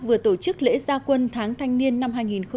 vừa tổ chức lễ gia quân tháng thanh niên năm hai nghìn một mươi tám